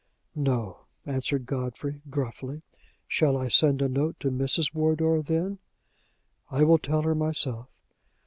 "No," answered Godfrey, gruffly. "Shall I send a note to Mrs. Wardour, then?" "I will tell her myself."